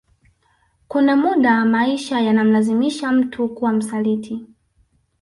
Kuna muda maisha yanamlazimisha mtu kuwa msaliti